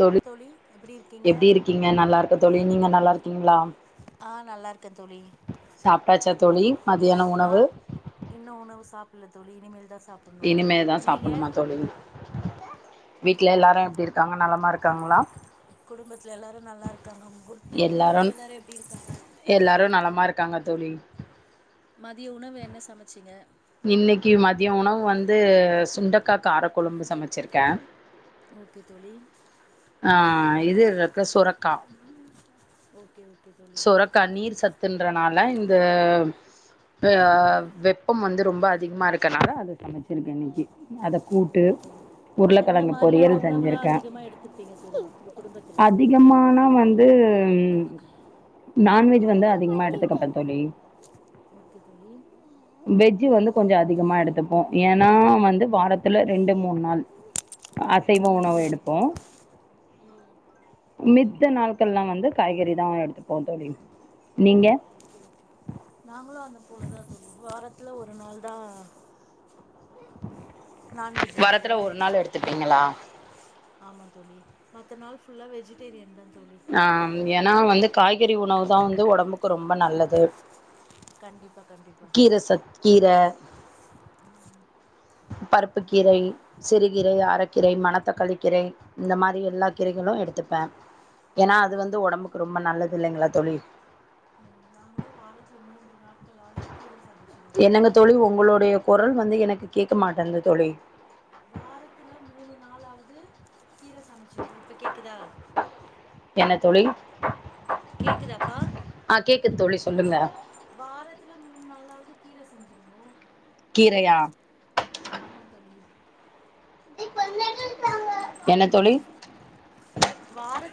தோழி எப்டி இருக்கீங்க எப்படி இருக்கீங்க நல்லா இருக்கேன் தோழி நீங்க நல்லா இருக்கீங்களா ஆ நல்லா இருக்கே தோழி சாப்பிட்டாச்சா தோழி மத்தியான உணவு இல்ல தோழி இனிமேல் தான் சா இனிமேதான் சாப்புடணுமா தோழி வீட்டுல எல்லாரும் எப்படி இரு குடும்பத்துல எல்லாரும் நல்லா இருக்காங்க உங்க எல்லாரு குடும்பத்துல எல்லாரும் எப்படி இருக்காங்க காங்கத்தோழி மதிய உணவு என்ன சமைச்சிங்க இன்னைக்கு மதியம் உணவு வந்து சுண்டக்கா கார கொழம்பு சமைச்சிருக்கேன் ஓகே தோழி ஆஹ் இது இருக்கு சுரக்கா ஓகே ஓகே தோழி சுரக்கா நீர் சத்து தின்றனால இந் த வெப்பம் வந்து ரொம்ப அதிகமா இருக்கனால அது சமைச்சிருக்கேன் இன்னைக்கு அத கூட்டு ஓகே தோழி எந்த உருளக்கிழங்கு மாரியான பொரியல் உணவுலா செஞ்சிருக்கேன் அதிகமா எடுத்துப்பீங்க தோழி உங்க குடும்பத்துல அதிகமானா வந்து நான்வெஜ் வந்து அதிகமா எடுத்துக்கமாட்டேன் தோழி ஓகே தோழி வெஜ் கொஞ்சோ அதிகமா எடுத்துப்போம் ஏன்னா வந் து வாரத்துல ரெண்டு மூணு நாள் அசைவ ம் உணவு ம் எடுப்போம் மி நாங் எல்லாம் வந்து காய்கறி தான் எடுத்துப்போம் தோழி நீங்க? நாங்களும் அத போலதான் தோழி வாரத் துல ஒரு நாள் தான் வாரத்துல ஒரு நாள் எடுத்துப்பீங்களா ஆமா தோழி மத்த நாள் ஃபுல்லா வெஜிடேரியன் தான் ஆஹ் என் ஆனா வந்து காய்கறி உணவு தான் வந்து ஒடம்புக்கு ரொம்ப நல்லது கண்டிப்பா கண்டிப்பா கீர சத் கீர பருப்பு கீரை சிறுகீரை அரக்கீரை மணத்தக்காளி கீரை இந்த மாரி எல்லா கீரைகளும் எடுத்துப்பேன் ஏன்னா அது ஆமா வந்து ஒடம்புக்கு ரொம்ப நல்லது இல்லைங்களா தோழி நாங்களும் வாரத்துல மூன்று நாள் என்னங்க தோழி உங்களுடைய குரல் வந்து எனக்கு கேக்க மாட்டேங்குது தோழி வாரத்துல மூணு நாளாவது கீர சமைச்சிடுவோம் இப்ப கேக்குதா என்ன தோழி கேக்குதாப்பா ஆ கேக்குது தோழி சொல்லுங்க வாரத்துல மூணு நாளாவது கீர செஞ்சுடுவோம் கீரையா ஆமா தோழி இ ப சங்க [unintelligible] என்ன தோழி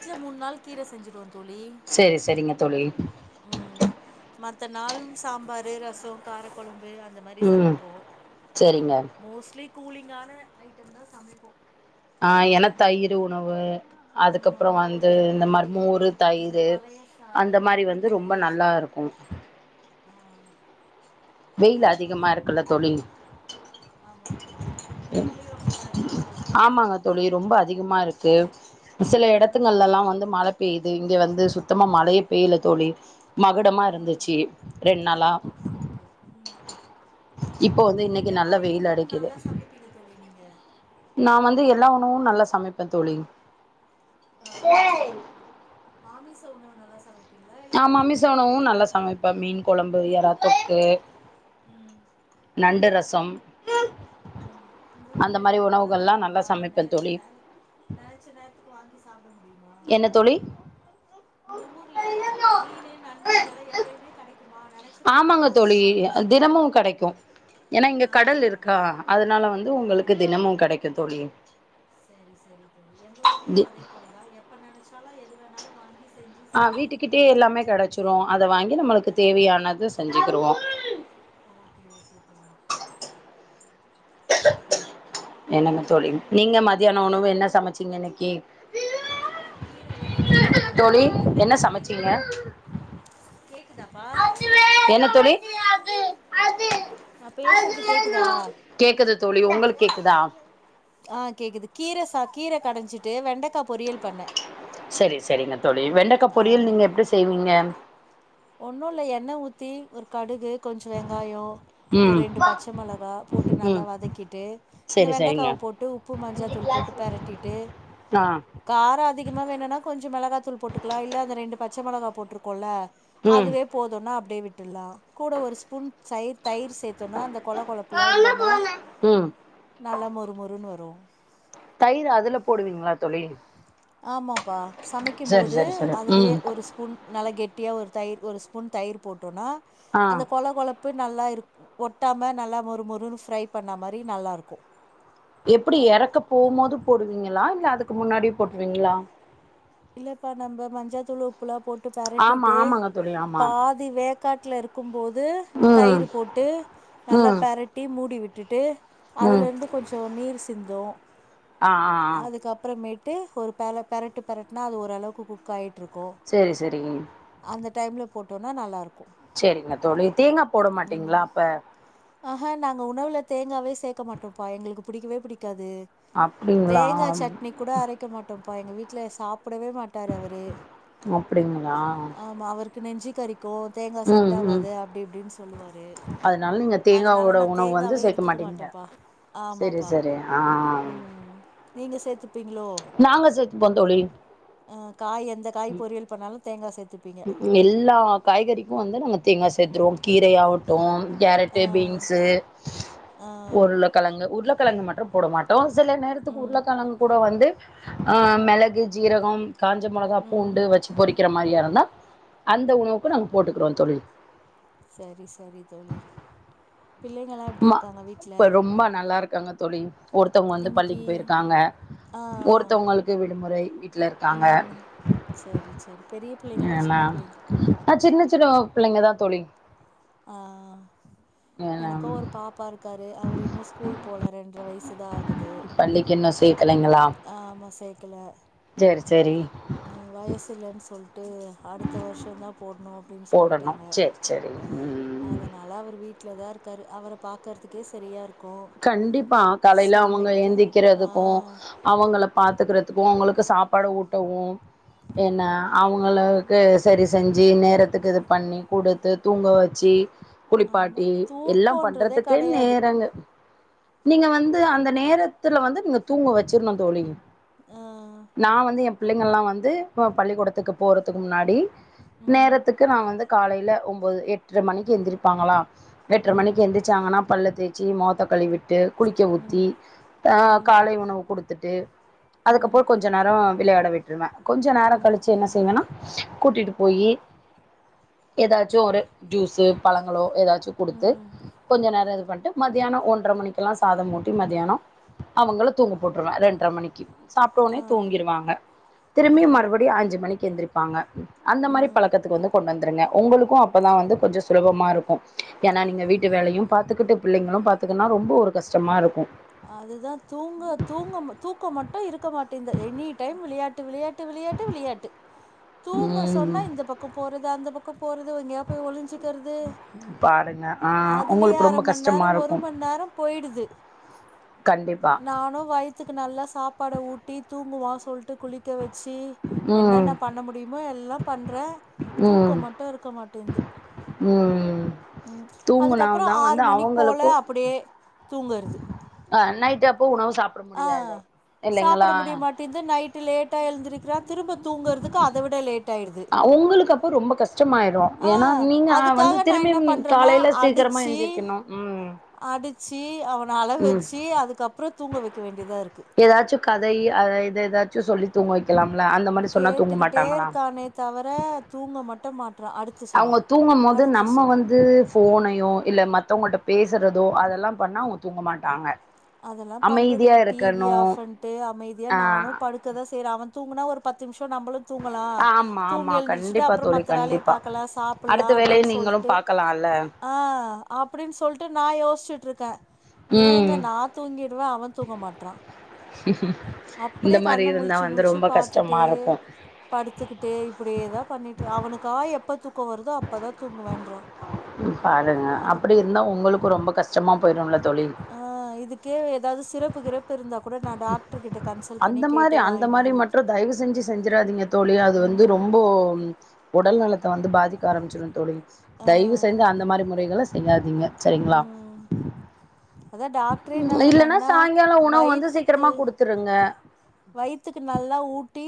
துல மூணு நாள் கீர செஞ்சிருவோம் சேரி சேரிங்க தோழி உம் மத்த நாளும் சாம்பாரு ரசம் காரக்குழம் பு அந்த மாரி ம் சமைப்போம் சேரிங்க மோஸ்ட்லி கூலிங்கான ஐட்டம் தான் சமைப்போம் ஆஹ என தயிர் உணவு ஆ அதுக்கப்புறம் வந்து மோரு இந்த மாரி தயிரு மோரு இந்த தயிர் பழைய அந்த சாதோ மாரி வந்து கூழு ரொம்ப நல்லா இருக்கும் ஆ அதனால அந்த மாரி ஆமா தோழி ஊர்லயும் அப்டிதான் இருக்கா ஆமாங்க தோழி ரொம்ப [unintelligible] சில ஆ இடத்துங்கள் எல்லா வந்து மழை பெய்யுது இங்க வந்து சுத்தமா மழையே பெய்யல தோழி மகுடமா ஆ இருந்துச்சி ரெண்டு நாளா உம் இப்போ வந்து இன்னைக்கு எந்த நல்ல மாரி வெயில் உணவு நல்லா சமைப்பீங்க தோழி நீங்க நான் வந்து எல்லா உணவும் நல்லா சமைப்பேன் தோழி சரி எந்த உணவு நல்ல சமை நா மாமிச உணவும் நல்லா சமைப்பேன் மீன் குழம்பு எறாத்தொக்கு நண்டு ரஸ் சம் உஹம் உங்க ஊர்ல எல்லாமே நல்லா உணவுகள்லா கிடைக்குமா சமைப்பே நெனைச்ச தோழி நேர நெனைச்ச நேரத்துக்கு வாங்கி சாப்ட முடியுமா என்ன தோழி உங்க ஊர்ல மீன் நண்டு இதெல்லாம் எப்பயுமே கடைக் ஆமாங்க தோழி தினமும் கிடைக்கும் ஏன்னா இங்க ஆ கடல் ஆ இருக்கா அதனால வந்து உங்களுக்கு தினமும் கிடைக்கும் தோழி செரி செரி தோழி எங்க தி ஊர்லயும் அதே போலதான் எப்ப நினைச்ச ல்லா எது வேணாலும் வாங்கி செஞ்சு ஆஹ் சாப்புட்லா வீட்டுக்கிட்டே எல்லாமே கிடைச்சிரும் அத வாங்கி நம்மளுக்கு ஆ தேவையானத செஞ்ச ருவோம் ஓக்கே ஓக்கே தோழி என்னன்ன உங்க தோழி வீட்ல நீங்க பிள்ளைகள்லா மத்தியானம் உணவு என்ன சமைச்சீங்க இன்னைக்கு நான் கீர கடைஞ்சிட்டு தோழி என்ன வெண்டைக்காய் பொரியல் சமச்சீங்க பண்ணுனேன் என்ன தோழி நா பேசுறது கேக்குதா கேக்குது தோழி உங்களுக்கு கேக்குதா ஆ கேக்குது கீர சா கீர கடைஞ்சிட்டு வெண்டக்கா பொரியல் பண்ணன் செரி செரி தோழி வெண்டைக்கா பொரியல் நீங்க எப்படி செய்வீங்க ஒண்ணுல எண்ணெய் ஊத்தி ஒரு கடுகு கொஞ்சம் வெங்காயம் ஒரு ரெண்டு ம் பச்சை மிளகா போட்டு நல்லா ம் வதக்கிட்டு இந்த செரி செரிங்க வெண்டைக்காவ போட்டு உப்பு மஞ்சத்தூள் போட்டு பெரட்டிட்டு ஆ காரம் அதிகமாக வேணும்னா கொஞ்சோ மிளகா தூள் போட்டுக்கலாம் இல்ல அந்த ரெண்டு பச்ச மிளகாய் போட்டிருக்கோம்ல ம் அதுவே போதும்னா அப்படியே விட்டு லாம் கூட ஒரு ஸ்பூன் சய தயிர் சேத்தோனா அந்த கொல கொழப்பெலாம் இல்லாமல் ம் நல்லா மொறுமொருன்னு வரும் தயிர் அதுல போடுவீங்களா தோழி ஆமாப்பா சமைக்கும் சரி போது சரி சரி அதுலயே ம் ஒரு ஸ்பூன் நல் குட்டியா ஒரு தயிர் ஒரு ஸ்பூன் தயிர் போட்டோம்னா ஆ அந்த கொல கொல உப்பு நல்லா இரு ஒட்டாம நல்லா மொறு மொருன்னு ஃப்ரை பண்ண மாரி நல்லாயிருக்கும் எப்படி இறக்க போகும் போது போடுவீங்களா இல்ல அதுக்கு முன்னாடி போடுவீங்களா இல்லப்பா நம்ம மஞ்சத்தூள் உப்பல்லாம் போட்டு போட்டு ஆமா பெரட்டிட்டு ஆமாங்க தோழி ஆமா பாதி வேக்காட்டில இருக்கும் போது ம் தயிர் போட்டு நல்லா ம் பெரட்டி மூடிவிட் ட்டுட்டு அதுல ம் இருந்து கொஞ்சோ நீர் சிந்தும் ஆ ஆ ஆ அதுக்கப்புறம் மேட் ஒரு பெ பெரட்டு பெரட்னா அது ஒரு அளவுக்கு குக் ஆகிட்டு இருக் செரி செரி டைம்ல போட்டோம்ன்னா நல்லாருக்கும் செரிங்க தோழி தேங்கா போட மாட்டீங்களா அப்ப ஆ நாங்க உணவுல தேங்காவே சேர்க்க மாட்டோம் எங்களுக்கு பிடிக்கவே பிடி க்கது அப்டிங்களா தேங்கா சட்னி கூட அரக்க மாட்டோம் பங்க வீட்டு ல சாப்ப போடவே மாட்டார் அவரு அப்டிங்களா ஆமா அவருக்கு நெஞ்சு தரி தேங்கா செட் ம் ம் ஆகாது அப்டி இப்டின்னு சொல்லுவாரு அதனால நீங்க அதனால தேங்காவோட நான உணவு வந்து தேங்காவே சேக்க எடுத்துக்க மாட்டீங்க மாட்டேன்ப்பா செரி ஆமாப்பா செரி ஆ உ நீங்க சேத்து பிலோ நாங்க சேத்துப்போ தோழி அ காய் எந்த காய் பொரியியல் பண்ணாலும் தேங்கா சே எல்லா காய்கறிக்கும் வந்து நாங்க தேங்கா சேத் செத்துருவோம் கீரயாகட்டும் ஆ கேரட்டு பீன்ஸ் ஆ உருளக்கிழங்கு ஊருல கிழங்கு மற்றும் போட மாட்டோம் சில நேரத்துக்கு ம் உருளக்கலங்க கூட வந்து ஆஹ் மிளகு ஜீரகம் காஞ்ச மிளகா ம் பூண்டு வச்சு பொறிக்கிற மாதிரியா இருந்தா அந்த உணவுக்கு நாங்க போட்டுக்கிறோம் தொழி செரி செரி தோழி புள்ளைங்கல்லாம் எப்டி இருக்காங்க வீட்டு்ல கங்கத்தொளி ஒருத்தவங்க வந்து பள்ளிக்கு போயிருக்காங்க ஆ ஒருத்தவங்களுக்கு முறை விட்டு வீட்ல ஆ இருக்காங்க ம் சரி சரி பெரிய பிள்ளைங்களா நா சின்ன பிள்ளைங்க ஆஹ் சின்ன சின்ன புள்ளைங்கதான் தா தொழி ஆஹ் எனக்க ஒரு பாப் ரு அவர் இன்னும் ஸ்கூல் போல ரென்ற வயசு ஆது பள்ளிக்கு என்ன சே ஆ ஆமா சேக் அகல செரி செரி ஆ வயசு இல்லைன்னு சொல் ட்டு அடுத்த வருஷந்தா போடணு அப்டின்னு போடணு சொல்லிட்டாங்க சேரி சேரி ம் அதனால அவரு வீட்லதா இருக்காரு அவர பாக்கறதுக்கே சரியா இருக் கண்டிப்பா காலையில அவங்க ஆ ஏந்திக்கிறதுக்கு அவங்கள பாத்துக்கற த்துக்கு அவங்களுக்கு சாப்பாடு ஊட்டவு என்ன அவங்களுக்கு சரி செஞ்சு நேரத்துக்கு இது பண்ணி குடுத்து தூங்க வச்சி ஆமா குளிப்பாட்டி எல்லாம் தூக்கன்றதே பண்றதுக்கு கெடையாது நேரங்க நீங்க வந்து அந்த நேரத்துல வந்து நீங்க தூங்க வச்சிருணு தோழி ஆ நா வந்து என் பிள்ளைங்கள்லா வந்து ஆ பள்ளிக்கூடத்துக்கு போறதுக்கு முன்னாடி ம் ம் நேரத்துக்கு நா வந்து காலையில ஒம்போது எட்ர மணிக்கி எந்திருப்பாங்களா எட்ர ம் மணிக்கி எந்திச்சாங்கன்னா பல்ல தேச்சி மொகத்த கழுவிட்டு குளிக்க ஊத்தி ம் ஆ காலை உணவு குடுத்துட்டு ம் அதுக்கப்பறோ கொஞ்ச நேரோ விளையாட விட்ருவே கொஞ்ச நேரோ ம் கழிச்சு என்ன செய்வேன்னா கூட்டிட்டு போயி ஏதாச்சு ஒரு ஜூஸு பழங்களோ ஏதாச்சு குடுத்து ம் கொஞ்ச நேர இது வன்ட்டு மத்தியானோ ஒன் ர மணிக்கெல்லா சாதம் ஊட்டி மத்தியானோ அவங்கள தூங்க போட்ருவே ரெண்ட்ர மணிக்கி ஆ சாப்ட்டவுடனே தூங்கிருவாங்க ஆ திரும்பியு மறுபடியு அஞ்சு மணிக்கு எந்திரிப் பாங்க அந்த மாரி ம் பழக்கத்துக்கு வந்து கொண்டு வந் துருங்க உங்களுக்கு அப்பதா வந்து கொஞ்சம் சுலபமா இருக்கு ஏன்னா நீங்க வீட்டு வேலையும் பாத்துக்கிட்டு பிள்ளைங்களும் பாத் துக்கனுன்னா ரொம்ப ஒரு கஷ்டமா இருக்கும் அதுதா தூங்க தூங்க தூக்க மட்டு இருக்க மாட்டேங்து எனி டைம் விளையாட்டு விளையாட் ட்டு விளையாட்டு விளையாட்டு தூங்க சொன்னா ம் இந்தப் பக்கோ போறது அந்தப் பக் போறது எங்கயா போய் ஒழிஞ்சுக்கிறது பாருங்க ஆ அதுலயே உங்களுக்கு அர ரொம்ப மணி நேரோ கஷ்டமா ஒரு இருக்கு மணி நேரோ போயிடுது கண்டிப்பா நானு வயித்துக்கு நல்லா சாப் பாட ஊட்டி தூங்குவா சொல்ட்டு குளிக்க வச் சி ம் என்னென்ன பண்ண முடியுமோ எல்லா பண்றே தூக்கோ ம் மட்டு இருக்க மாட்டேன்து ம் ம் அதுக்கப்றோ தூங்குனாதா ஆறு வந்து மணி போல அவங்களுக்கு அப்டியே தூங்கறது அஹ நைட்டு அப்போ உணவு சாப்பிட ஆ முடியாது சாப்ட இல்லைங்களா முடிய மாட்டேன்து நைட்டு லேட்டா எழுதிருக்கிறார் உங்களுக்கு அப்போ ரொம்ப கஷ்டமாயிடும் ஆ ஏன்னா நீங்க வந்து அதுக்காக நா திரும்பி என்ன பண்றேன்னா காலையில சீக்கிரமா எஞ்சிருக்கணும் உம் சி ஆர் அள வச்சு அதுக்கப்புறம் தூங்க வைக்க வேண் ஏதாச்சும் கதை அத இத ஏதாச்சும் சொல்லி தூங்கவைக்கலாம் கேட்டுக்கிட்டே இருக்கானே தவிர தூங்க மட் டுமாட் அவங்க தூங்கும் போது நம்ம வந்து போனையும் இல்ல மத்தவங்கிட்ட பேசுறதோ அதெல்லாம் பண்ணா அவங்க தூங்க மாட்டாங்க அதெல்லாம் பண்றது அமைதியா இல்ல டிவி இருக்கணு ஆஃப் பன்ட்டு அமைதியா ஆ நானும் படுக்கதான் செய்றேன் அவன் தூங்கன்னா ஒரு பத்து நிமிஷ நம்மளும் தூங்கலாம் ஆமா ஆமா தூங்கி எழுந்திடுச்சுட்டு கண்டிப்பா அப்புறம் தோழி வேலைய கண்டிப்பா பாக்கலாம் அடுத்த சாப்பிடலாம் வேலைய அப்படின்னு நீங்களு சொல்லிட்டு பாக்கலால்ல ஆஹான் அப்படின்னு சொல்லிட்டு நான் யோசிச்சுட்டு இருக்கேன் இவன் எங்க ம் நாத் ங்கிடுவான் அவன் தூங்க மாட்றான் இந்த மாரி இருந்தா முழிச்சு வந்து முழிச்சு ரொம்ப பாத்துட்டே கஷ்டமாக இருக்கும் அப்படியேதா பண்ணிட்டு அவனுக்கா எப்ப தூக்க வருதோ அப்பதான் தூங்கவேன் என்றான் பாருங்க அப்படி இருந்தா உங்களுக்கு ரொம்ப கஷ் ச்சமா போயிடும்ல ஆஹ் இதுக்கே அதாவது சிறப்பு கிறப்பு இருந்தா கூட நான் டாக் அந்த மாதிரி அந்த மாதிரி மற்றும் தயவு செஞ்சு செஞ்சிடாதீங்க தோழி அது வந்து ம் ரொம்போ உடல் நலத்தை வந்து பாதிக்க ஆரமிச்சிரோம் தோலி ஆ தயவு செய்து அந்த மாரி முறைகளை செய்யாதீங்க சரிங்களா ம் அதா டாக்டரே என்ன உ இல்ன்னா சொன்னாங்கன்னா சாயங்காலம் உணவு வந்து வயித்துக்கு சீக்கிரமா குடுத்துருங்க வயித்துக்கு நல்லா ஊட்டி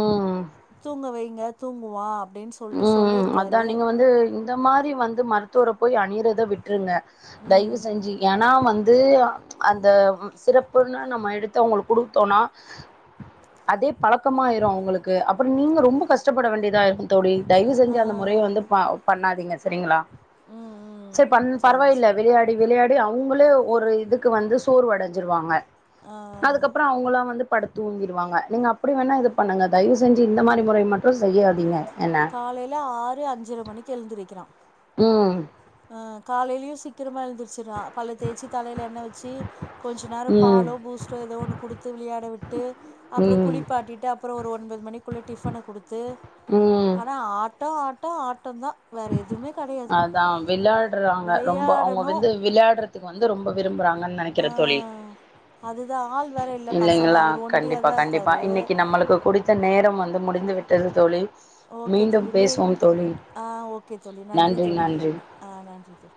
ம் தூங்க வைங்க தூங்குவாப் உம் அதான் நீங்க வந்து இந்த மாரி வந்து மருத்துவரை போய் அணியிறத விட்டுருங்க தயவு ம் செஞ்சு ஏன்னா வந்து அது அந்த சிறப்புன்னு நம்ம எடுத்து அவங்களுக்கு கொடுத்தோம்னா அதே பழக்கமாயிரும் அவங்களுக்கு அப்பறம் நீங்க ரொம்ப கஷ்டப்பட வேண்டியதாகும் [unintelligible] தயவு அ செஞ்சு ஆ அந்த முறய வந்து பண்ணாதீங்க சரிங்களா ம் ம் சரி பண் சரி பரவாயில்ல சரி விளையாடி விளையாடி அப்டி அவங்களே ஒரு இதுக்கு வந்து சோர் அடஞ்சிருவாங்க ஆ அதுக்கப்பறம் அவங்களாம் வந்து படுத் தூங்கிருவாங்க நீங்க அப்டி வேணா இது பண்ணுங்க தயவு செஞ்சு இந்த மாரி முறய மட்டும் செய்யாதீங்க என்ன காலையில ஆறு அஞ்சர மணிக்கு எழுந்திருக்கிறான் உஹம் ஆஹ் காலையிலயும் சீக்கிரமா எழுந்துரு [unintelligible] பல்ல தேச்சு தலையில எண்ணெ வச்சு கொஞ்ச நேரம் ம் பாலும் பூஸ்ட்டும் எதொ ஒன்னு குடுத்து விளயாடவிட்டு அப்பறம் ம் குளிப்பாட்டிட்டு அப்பறம் ஒரு ஒன்பது மணிக் க்குள்ளே டிஃபனு குடுத்து ம் ஆனால் ஆ ஆட்டோ ஆட்டோ ஆட் மட்டம் தான் வேற எதுமே கெடயாது விளயாடுறாங்க ரொம்ப அவங்க வந்து விளயாடுறதுக்கு வந்து ரொம்ப விரும்புறாங்க என்னனு நெனக்கிறே தொழி இந்த ஆள் வேற இல்ல பசங்க இல்லங்களா அவரு கண்டிப்பா ஒண்டியாதா கண்டிப்பா இருக்காரு இன்னைக்கு நம்மளுக்கு குடித்த நேரம் வந்து முடி இந்து விட்டது தோழி ஓகே மீண்டும் தோழி மே பேசுவோம் தோழி ஆஹ் ஓகே தோழி நன்றி தோழி ஆஹ் நன்றி தோழ